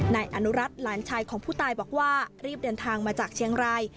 นายอนุรัติหลานชายของผู้ตายบอกว่ารีบเดินทางมาจากเชียงราย